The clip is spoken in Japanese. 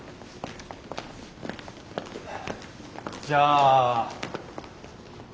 じゃあ。